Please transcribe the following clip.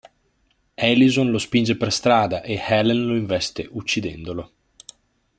Alison lo spinge per strada e Helen lo investe uccidendolo.